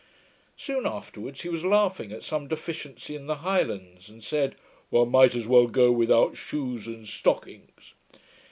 Soon afterwards he was laughing at some deficiency in the Highlands, and said, 'One might as well go without shoes and stockings.'